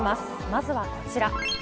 まずはこちら。